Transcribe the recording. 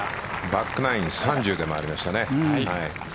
バックナイン３０で回りましたね。